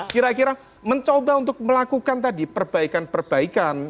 kira kira mencoba untuk melakukan tadi perbaikan perbaikan